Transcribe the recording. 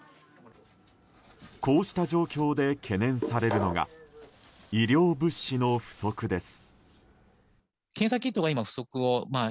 こうした状況で懸念されるのが医療物資の不足です。